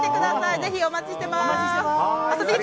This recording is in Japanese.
ぜひ、お待ちしてます！